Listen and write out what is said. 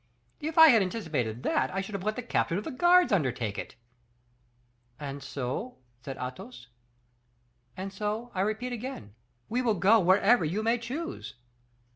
If I had anticipated that, I should have let the captain of the guards undertake it." "And so ?" said Athos. "And so, I repeat again, we will go wherever you may choose."